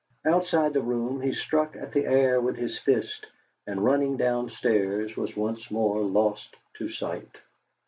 Outside the door he struck at the air with his fist, and, running downstairs, was once more lost to sight.